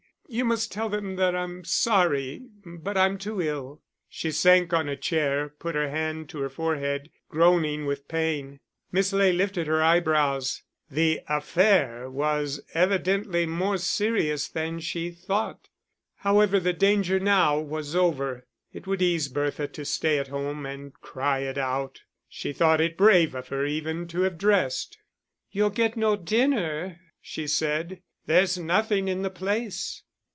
You must tell them that I'm sorry, but I'm too ill." She sank on a chair and put her hand to her forehead, groaning with pain. Miss Ley lifted her eyebrows; the affair was evidently more serious that she thought. However, the danger now was over; it would ease Bertha to stay at home and cry it out. She thought it brave of her even to have dressed. "You'll get no dinner," she said. "There's nothing in the place."